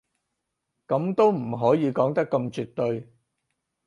噉都唔可以講得咁絕對